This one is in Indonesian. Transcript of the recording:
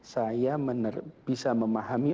saya bisa memahami